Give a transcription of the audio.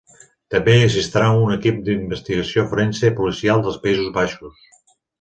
També hi assistirà un equip d'investigació forense policial dels Països Baixos.